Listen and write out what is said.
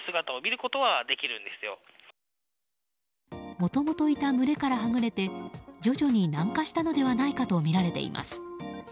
もともといた群れからはぐれて徐々に南下したのではないかとみられています。